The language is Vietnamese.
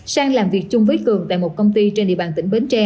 sang làm việc chung với cường tại một công ty trên địa bàn tỉnh bình chánh